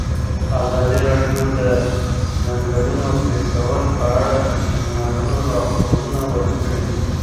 ازادي راډیو د د ځنګلونو پرېکول په اړه د سیمینارونو راپورونه ورکړي.